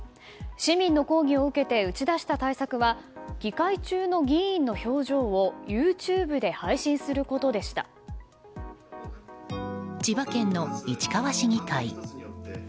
市民の抗議を受けて打ち出した対策は議会中の議員の表情をＹｏｕＴｕｂｅで千葉県の市川市議会。